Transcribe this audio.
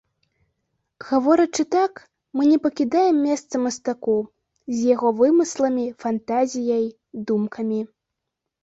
Гаворачы так, мы не пакідаем месца мастаку, з яго вымысламі, фантазіяй, думкамі.